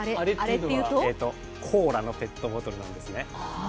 コーラのペットボトルなんですね。